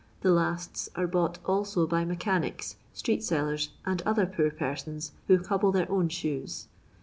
The lasts are bought also by mechanics, street sellers, and other poor persons who cobble their own shoes.